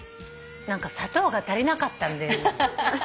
何か砂糖が足りなかったんで。